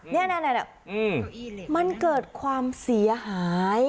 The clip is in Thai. นี่มันเกิดความเสียหาย